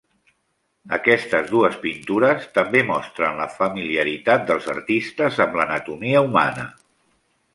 Aquestes dues pintures també mostren la familiaritat dels artistes amb l'anatomia humana.